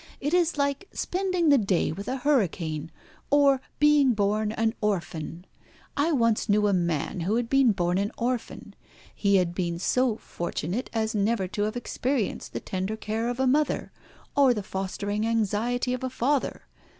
It is like spending the day with a hurricane, or being born an orphan. I once knew a man who had been born an orphan. He had been so fortunate as never to have experienced the tender care of a mother, or the fostering anxiety of a father.